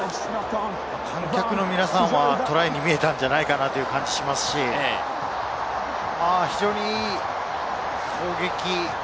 観客の皆さんはトライに見えたんじゃないかなという感じがしますし、非常にいい攻撃。